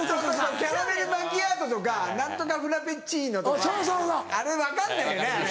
キャラメルマキアートとか何とかフラペチーノとかあれ分かんないよね。